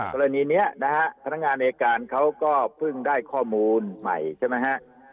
กรณีนี้นะฮะพนักงานอายการเขาก็เพิ่งได้ข้อมูลใหม่ใช่ไหมฮะ